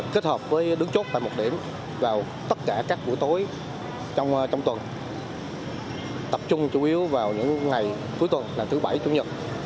kết hợp với đứng chốt tại một điểm vào tất cả các buổi tối trong tuần tập trung chủ yếu vào những ngày cuối tuần và thứ bảy chủ nhật